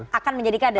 oh akan menjadi kader